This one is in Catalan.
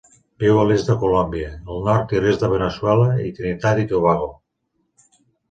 Viu a l'est de Colòmbia, el nord i l'est de Veneçuela i Trinitat i Tobago.